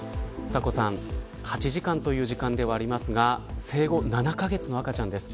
サコさん８時間という時間ではありますが生後７カ月の赤ちゃんです。